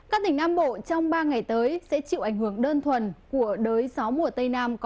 các tỉnh nam bộ trong ba ngày tới sẽ chịu ảnh hưởng đơn thuần của đới gió mùa tây nam có